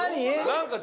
何？